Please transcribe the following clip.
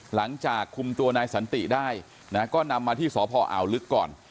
หลังจากคุมตัวนายสันติได้นะก็นำมาที่สพอ่าวลึกก่อน